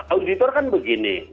auditor kan begini